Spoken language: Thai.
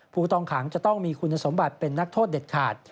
ผู้ต้องขังจะต้องมีคุณสมบัติเป็นนักโทษเด็ดขาด